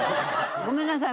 ごめんなさい。